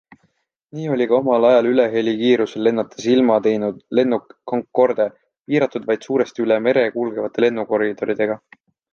Nii oli ka omal ajal ülehelikiirusel lennates ilma teinud lennuk Concorde piiratud vaid suuresti üle mere kulgevate lennukoridoridega.